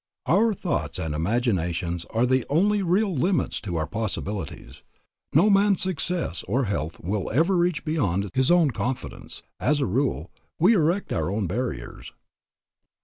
Our thoughts and imaginations are the only real limits to our possibilities. No man's success or health will ever reach beyond his own confidence; as a rule, we erect our own barriers.